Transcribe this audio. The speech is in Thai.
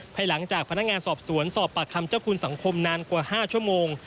ภายหลังจากพนักงานสอบสวนสอบปากคำเจ้าคุณสังคมนานกว่า๕ชั่วโมง